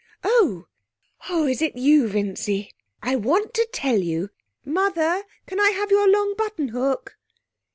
Oh, is it you, Vincy?... I want to tell you ' 'Mother, can I have your long buttonhook?'